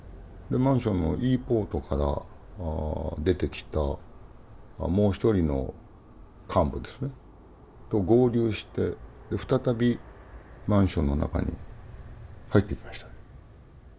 マンションのＥポートから出てきたもう一人の幹部ですねと合流して再びマンションの中に入っていきました。